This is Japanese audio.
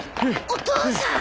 お父さん！